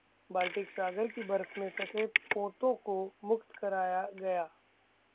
Baltic सागर की बर्फ में फंसे पोतों को मुक्त कराया गया